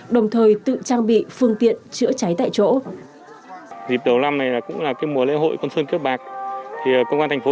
đồng thời tự trang bị phương tiện chữa cháy tại chỗ